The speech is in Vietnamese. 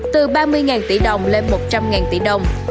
từ ba mươi tỷ đồng lên một trăm linh tỷ đồng